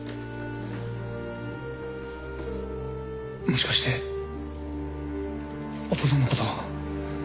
もしかしてお父さんのこと。